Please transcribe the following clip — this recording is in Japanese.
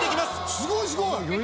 すごい、すごい。